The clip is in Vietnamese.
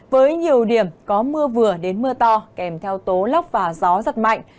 với nhiều điểm có mưa vừa đến mưa to kèm theo tố lóc và gió rất mạnh